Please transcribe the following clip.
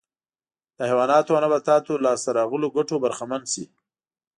د حیواناتو او نباتاتو لاسته راغلو ګټو برخمن شي